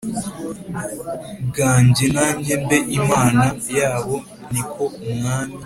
Bwanjye nanjye mbe imana yabo ni ko umwami